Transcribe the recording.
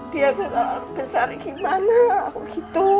dia besar gimana gitu